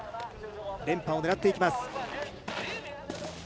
連覇を狙っていきます。